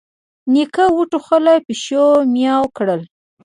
نيکه وټوخل، پيشو ميو کړل.